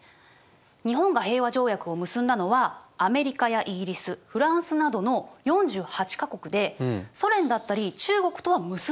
日本が平和条約を結んだのはアメリカやイギリスフランスなどの４８か国でソ連だったり中国とは結んでなかったの。